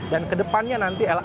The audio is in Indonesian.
dan kedepannya nanti lrt